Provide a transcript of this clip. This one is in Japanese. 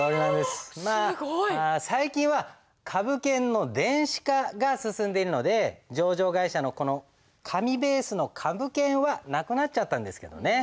すごい！まあ最近は株券の電子化が進んでいるので上場会社のこの紙ベースの株券はなくなっちゃったんですけどね。